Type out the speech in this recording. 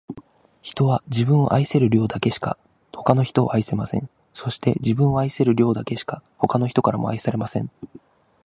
人は、自分を愛せる量だけしか、他の人を愛せません。そして、自分を愛せる量だけしか、他の人からも愛されません。